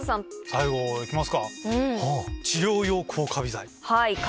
最後いきますか。